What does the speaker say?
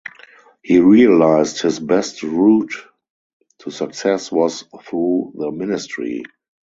He realized his best route to success was through the ministry.